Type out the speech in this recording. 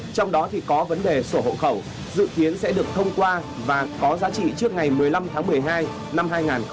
trong đó thì có vấn đề sổ hộ khẩu dự kiến sẽ được thông qua và có giá trị trước ngày một mươi năm tháng một mươi hai năm hai nghìn hai mươi